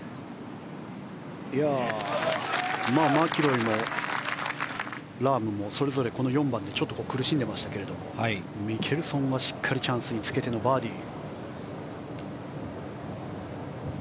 マキロイもラームもそれぞれこの４番で、ちょっと苦しんでいましたけどもミケルソンはしっかりチャンスにつけてバーディーでした。